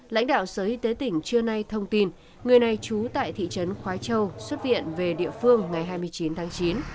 lãnh đạo sở y tế tỉnh trưa nay thông tin người này trú tại thị trấn khói châu xuất viện về địa phương ngày hai mươi chín tháng chín